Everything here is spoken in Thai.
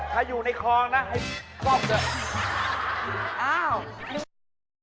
ถ้าอยู่ในของให้ส้มได้